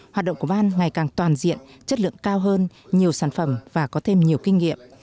hoạt động của ban ngày càng toàn diện chất lượng cao hơn nhiều sản phẩm và có thêm nhiều kinh nghiệm